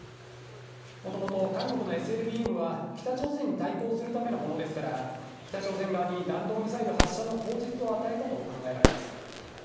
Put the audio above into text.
もともと、韓国のＳＬＢＭは、北朝鮮に対抗するためのものですから、北朝鮮側に弾道ミサイル発射の口実を与えたと考えられます。